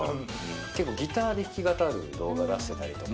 結構、ギターで弾き語る動画出してたりとか。